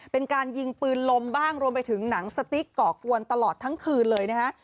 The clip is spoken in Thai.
เป็นการยิงปืนลมบ้างรวมไปถึงหนังสติ๊กก่อกวนตลอดทั้งคืนเลยนะฮะ